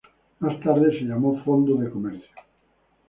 Más tarde, se le llamó fondo de comercio.